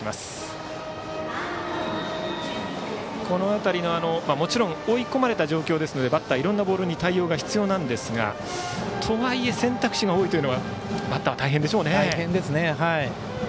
この辺り、もちろん追い込まれた状況ですのでバッター、いろいろなボールに対応が必要ですがとはいえ選択肢が多いというのはバッターは大変でしょうね。